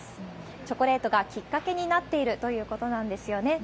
チョコレートがきっかけになっているということなんですよね。